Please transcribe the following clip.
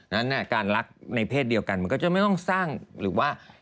นั้นการรักในเพศเดียวกันมันก็จะไม่ต้องสร้างหรือว่า